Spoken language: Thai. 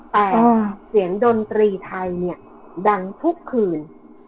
แต่เสียงดนตรีไทยเนี่ยดังทุกคืน